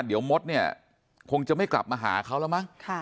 เดี๋ยวมดเนี่ยคงจะไม่กลับมาหาเขาแล้วมั้ง